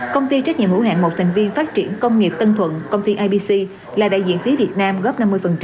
công ty trách nhiệm hiệu hạn một thành viên phát triển công nghiệp tân thuận công ty ipc là đại diện phí việt nam góp năm mươi